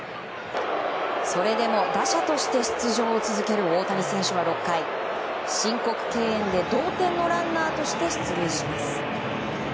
それでも打者として出場を続ける大谷選手は６回申告敬遠で同点のランナーとして出塁します。